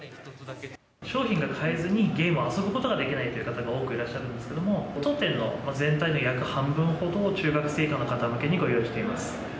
商品が買えずに、ゲームを遊ぶことができないという方が多くいらっしゃるんですけども、当店の全体の約半分ほどを中学生以下の方向けにご用意しています。